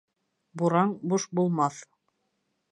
Бураң буш булмаҫ.